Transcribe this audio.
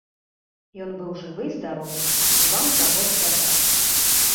Ён быў жывы і здаровы, і вам таго ж жадае.